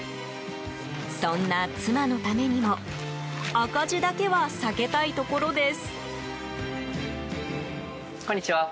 そんな妻のためにも赤字だけは避けたいところです。